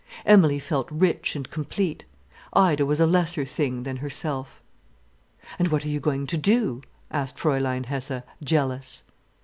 Emilie felt rich and complete. Ida was a lesser thing than herself. "And what are you going to do?" asked Fräulein Hesse, jealous.